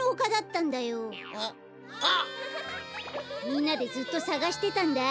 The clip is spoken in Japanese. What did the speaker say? みんなでずっとさがしてたんだ。